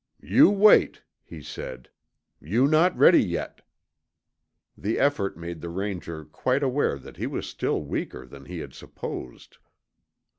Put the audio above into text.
"You wait," he said. "You not ready yet." The effort made the Ranger quite aware that he was still weaker than he had supposed.